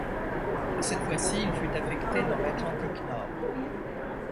Cette fois-ci il fut affecté dans l'Atlantique Nord.